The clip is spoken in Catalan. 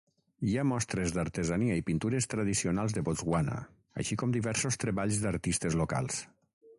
Hi ha mostres d'artesania i pintures tradicionals de Botswana, així com diversos treballs d'artistes locals.